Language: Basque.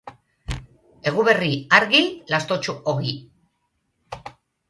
Eguberri argi, lastotsu ogi.